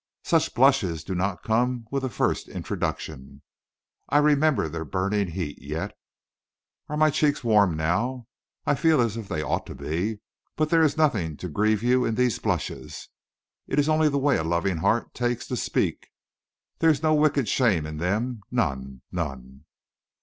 Such blushes do not come with a first introduction. I remember their burning heat yet. Are my cheeks warm now? I feel as if they ought to be. But there is nothing to grieve you in these blushes. It is only the way a loving heart takes to speak. There is no wicked shame in them; none, none."